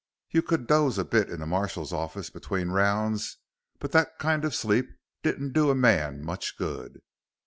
You could doze a bit in the marshal's office between rounds, but that kind of sleep didn't do a man much good.